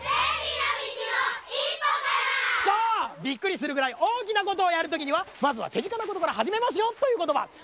びっくりするぐらいおおきなことをやるときにはまずはてぢかなことからはじめますよということば。